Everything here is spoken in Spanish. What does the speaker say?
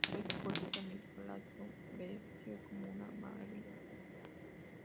Fue expuesta en el Palazzo Vecchio como una maravilla de la antigüedad.